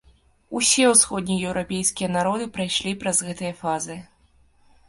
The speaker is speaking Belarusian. Усе усходнееўрапейскія народы прайшлі праз гэтыя фазы.